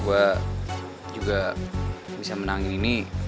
gue juga bisa menangin ini